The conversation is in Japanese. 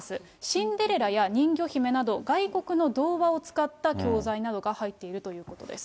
シンデレラや人魚姫など、外国の童話を使った教材などが入っているということです。